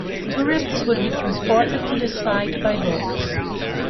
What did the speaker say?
Tourists would be transported to the site by boats.